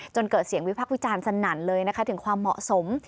เกิดเสียงวิพักษ์วิจารณ์สนั่นเลยนะคะถึงความเหมาะสม